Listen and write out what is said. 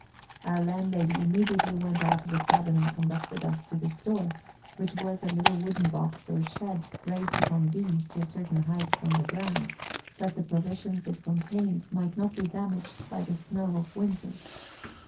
Our landlady immediately went out of the cabin and conducted us to the store, which was a little wooden box or shed raised upon beams to a certain height from the ground, that the provisions it contained might not be damaged by the snow of winter.